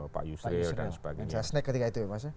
pak yusril jasnek ketika itu ya mas ya